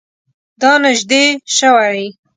دا نژدې شوی؟